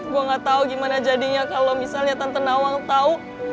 gue gak tau gimana jadinya kalau misalnya tante nawang tahu